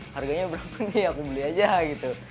harganya berapa nih aku beli aja gitu